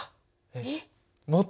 えっ？